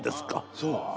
そう。